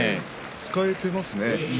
使えていますね。